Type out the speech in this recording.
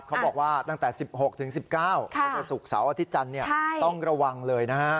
เขาบอกว่าตั้งแต่๑๖ถึง๑๙ศุกร์เสาร์อาทิตย์จันทร์ต้องระวังเลยนะฮะ